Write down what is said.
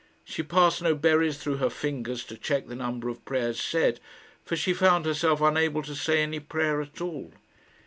She passed no berries through her fingers to check the number of prayers said, for she found herself unable to say any prayer at all.